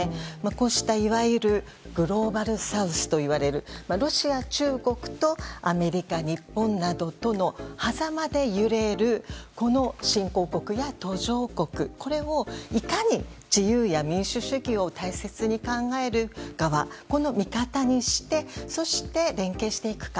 こうした、いわゆるグローバルサウスといわれるロシア、中国とアメリカ、日本などのはざまで揺れる、新興国や途上国これをいかに自由や民主主義を大切に考える側この味方にして、連携していくか。